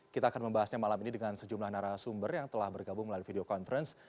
kita akan membahasnya malam ini dengan sejumlah narasumber yang telah bergabung melalui video conference